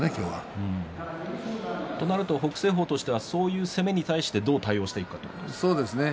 北青鵬としてはそういう攻めに対してどう対応していくかですね。